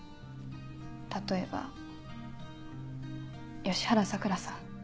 例えば吉原さくらさん。